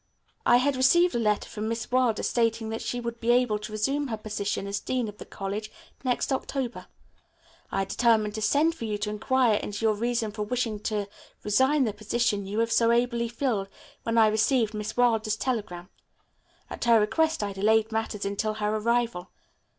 I had received a letter from Miss Wilder stating that she would be able to resume her position as dean of this college next October. I had determined to send for you to inquire into your reason for wishing to resign the position you have so ably filled, when I received Miss Wilder's telegram. At her request I delayed matters until her arrival.